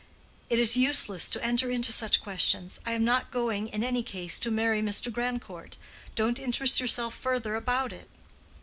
"It is useless to enter into such questions. I am not going in any case to marry Mr. Grandcourt. Don't interest yourself further about it."